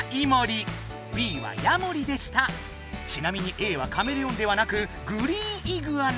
ちなみにＡはカメレオンではなくグリーンイグアナ。